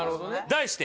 題して